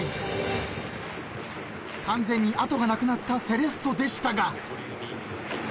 ［完全に後がなくなったセレッソでしたが］